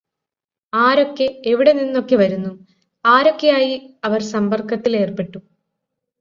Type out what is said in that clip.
ആരൊക്കെ എവിടെ നിന്നൊക്കെ വരുന്നു, ആരൊക്കെയായി അവർ സമ്പർക്കത്തിലേർപ്പെട്ടു.